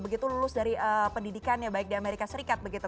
begitu lulus dari pendidikannya baik di amerika serikat begitu